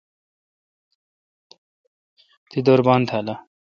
تی دربان تھال آ؟